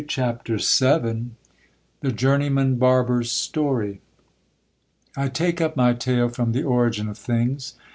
Ch. VII. — The journeyman barber 's story. I TAKE up my tale from the origin of things.